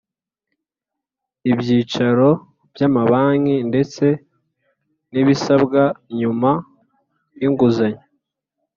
Ibyicaro By amabanki ndetse n ibisabwa nyuma y’inguzanyo